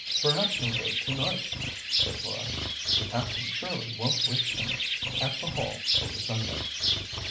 "Perhaps he'll go to night," said Dora. "The captain surely wont wish him at the Hall over Sunday."